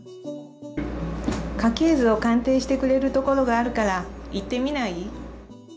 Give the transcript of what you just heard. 家系図を鑑定してくれるところがあるから、行ってみない？